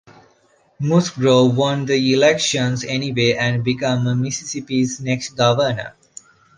Musgrove won the election anyway and became Mississippi's next Governor.